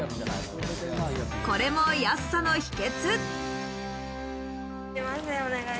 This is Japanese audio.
これも安さの秘訣。